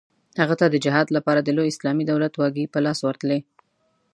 هغه ته د جهاد لپاره د لوی اسلامي دولت واګې په لاس ورتلې.